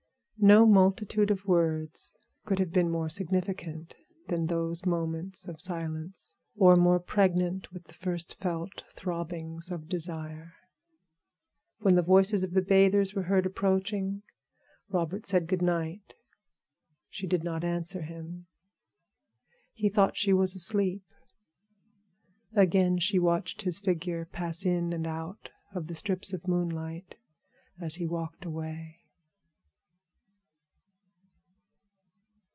No multitude of words could have been more significant than those moments of silence, or more pregnant with the first felt throbbings of desire. When the voices of the bathers were heard approaching, Robert said good night. She did not answer him. He thought she was asleep. Again she watched his figure pass in and out of the strips of moonlight as he walked away.